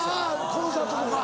コンサートとか。